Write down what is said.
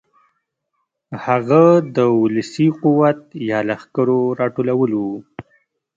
هغه د ولسي قوت یا لښکرو راټولول و.